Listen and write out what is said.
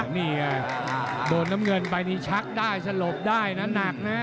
นี่ไงโดนน้ำเงินไปนี่ชักได้สลบได้นะหนักนะ